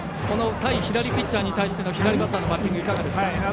対左ピッチャーに対しての左バッターのバッティングいかがですか？